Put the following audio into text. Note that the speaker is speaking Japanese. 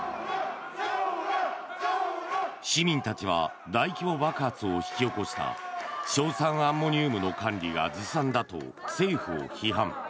市民たちは大規模爆発を引き起こした硝酸アンモニウムの管理がずさんだと政府を批判。